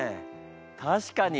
確かに。